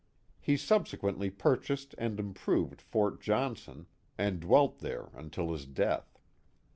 He subsequently purchased and improved Fort Johnson, and dwelt there until his death.